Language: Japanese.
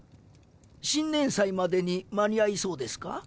新年祭までに間に合いそうですか？